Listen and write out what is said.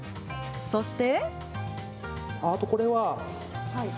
そして。